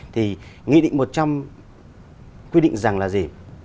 thì nghị định một trăm linh quy định rằng là gì